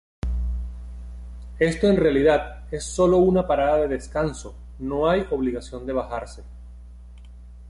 Esto en realidad es sólo una parada de descanso, no hay obligación de bajarse.